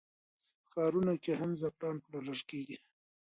په ښارونو کې هم زعفران پلورل کېږي.